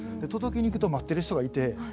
届けに行くと待ってる人がいて。